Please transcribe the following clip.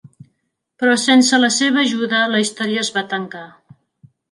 Però sense la seva ajuda la història es va tancar.